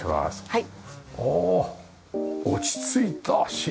はい。